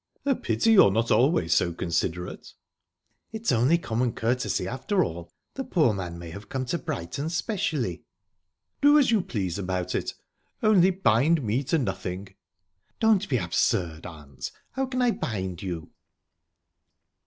"A pity you're not always so considerate." "It's only common courtesy, after all. The poor man may have come to Brighton specially." "Do as you please about it only, bind me to nothing." "Don't be absurd, aunt! How can I bind you?"